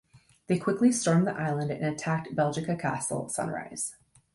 They quickly stormed the island and attacked Belgica Castle at sunrise.